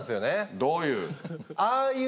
どういう？